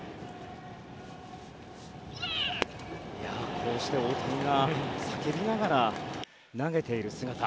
こうして大谷が叫びながら投げている姿。